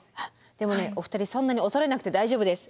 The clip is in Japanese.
でもねお二人そんなに恐れなくて大丈夫です。